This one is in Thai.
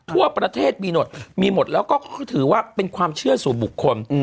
ทั่วประเทศมีหมดมีหมดแล้วก็ถือว่าเป็นความเชื่อสู่บุคคล